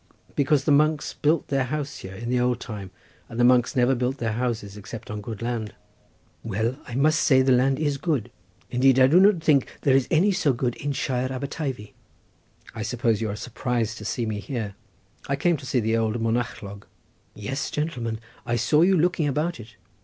"Because the monks built their house here in the old time, and the monks never built their houses except on good land." "Well, I must say the land is good; indeed I do not think there is any so good in Shire Aberteifi." "I suppose you are surprised to see me here; I came to see the old Monachlog." "Yes, gentleman! I saw you looking about it."